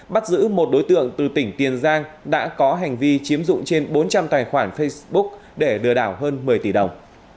bắt giữ một đối tượng từ tỉnh tiền giang đã có hành vi chiếm dụng trên bốn trăm linh tài khoản facebook để lừa đảo hơn một mươi tỷ đồng